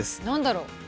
何だろう？